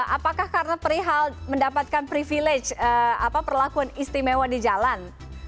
apakah karena perihal mendapatkan privilege perlakuan istimewa di jalan